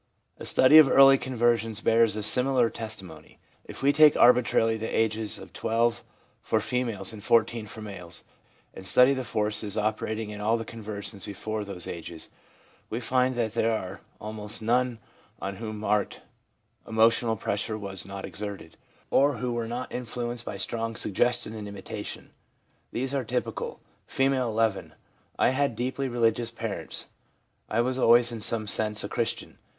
A study of early conversions bears a similar testi mony. If we take arbitrarily the ages of 12 for females and 14 for males, and study the forces operating in all the conversions before those ages, we find that there are almost none on whom marked emotional pressure was not exerted, or who were not influenced by strong suggestion and imitation. These are typical: F., 11. ' I had deeply religious parents ; I was always in some sense a Christian.